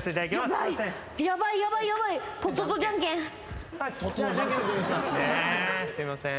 すいません。